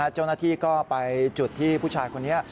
เจ้าหน้าที่ก็ไปจุดที่ผู้ชายคนนี้